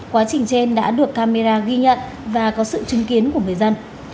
quá trình trên đã được camera ghi nhận và có sự chứng kiến của người dân